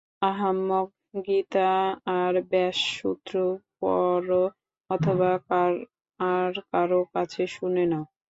আহাম্মক, গীতা আর ব্যাসসূত্র পড় অথবা আর কারও কাছে শুনে নাও।